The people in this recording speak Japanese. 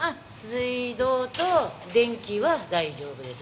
水道と電気は大丈夫です。